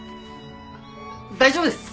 大丈夫です！